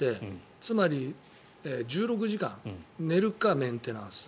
つまり、１６時間寝るかメンテナンス。